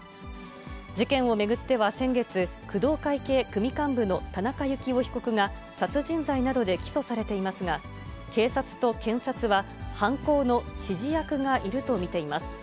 事件を巡っては先月、工藤会系組幹部の田中幸雄被告が殺人罪などで起訴されていますが、警察と検察は、犯行の指示役がいると見ています。